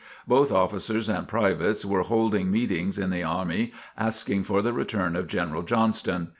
Both officers and privates were holding meetings in the army asking for the return of General Johnston.